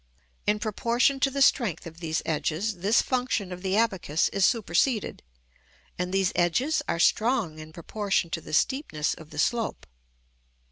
In proportion to the strength of these edges, this function of the abacus is superseded, and these edges are strong in proportion to the steepness of the slope.